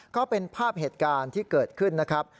ก็เป็นภาพเหตุการณ์ที่เกิดขึ้นนะครับ